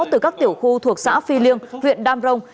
từ các tiểu khu thuộc xã phi liêng huyện đam rồng